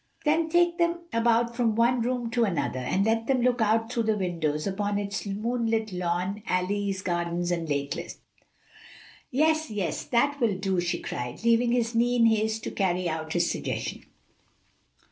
"Then take them about from one room to another, and let them look out through the windows upon its moonlit lawn, alleys, gardens and lakelet." "Oh, yes, yes! that will do!" she cried, leaving his knee in haste to carry out his suggestion.